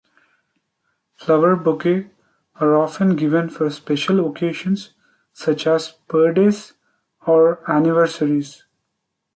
Flower bouquets are often given for special occasions such as birthdays or anniversaries.